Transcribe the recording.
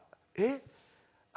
「えっ？」